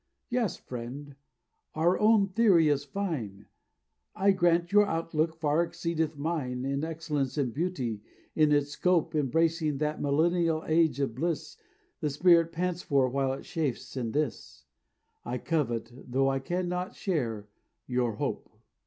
"Yes, friend, I own your theory is fine; I grant your outlook far exceedeth mine In excellence and beauty, in its scope Embracing that millennial age of bliss The spirit pants for while it chafes in this; I covet, tho I cannot share, your hope."